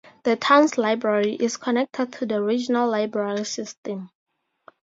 The town's library is connected to the regional library system.